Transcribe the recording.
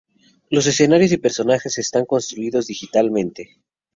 Los escenarios y personajes están construidos digitalmente.